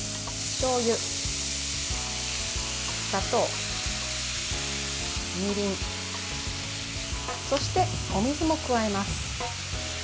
しょうゆ、砂糖みりん、そしてお水も加えます。